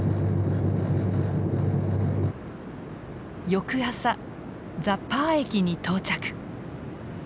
翌朝ザ・パー駅に到着。